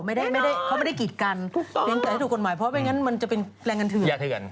ไม่ได้กีฎกันยังไงถูกกฎหมายเพราะไม่อย่างนั้นจะเป็นแรงงานเถื่อน